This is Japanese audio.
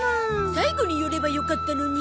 最後に寄ればよかったのに。